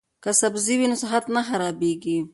که سبزی وي نو صحت نه خرابیږي.